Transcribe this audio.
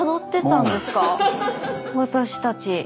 私たち。